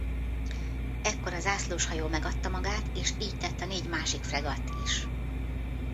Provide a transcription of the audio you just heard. Ekkor a zászlóshajó megadta magát és így tett a négy másik fregatt is.